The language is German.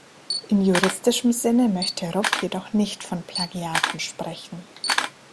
In juristischem Sinne möchte Rupp jedoch nicht von Plagiaten sprechen.